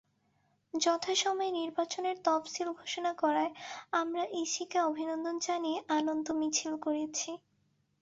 যথাসময়ে নির্বাচনের তফসিল ঘোষণা করায় আমরা ইসিকে অভিনন্দন জানিয়ে আনন্দ মিছিল করেছি।